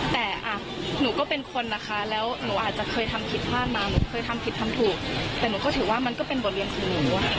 แต่หนูก็เป็นคนนะคะแล้วหนูอาจจะเคยทำผิดพลาดมาหนูเคยทำผิดทำถูกแต่หนูก็ถือว่ามันก็เป็นบทเรียนของหนู